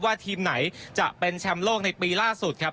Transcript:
ทีมไหนจะเป็นแชมป์โลกในปีล่าสุดครับ